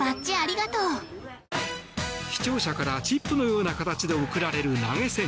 視聴者からチップのような形で贈られる投げ銭。